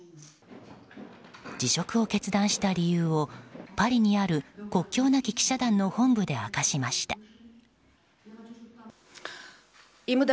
辞職を決断した理由をパリにある国境なき記者団の本部で明かしました。